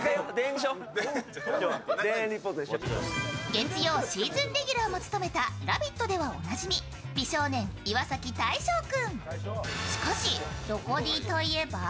月曜シーズンレギュラーも務めた「ラヴィット！」ではおなじみ美少年・岩崎大昇君。